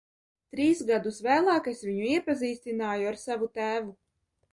Trīs gadus vēlāk es viņu iepazīstināju ar savu tēvu.